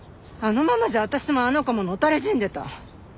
あのままじゃ私もあの子も野垂れ死んでた。